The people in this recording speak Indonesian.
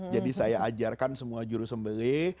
jadi saya ajarkan semua juru sembelih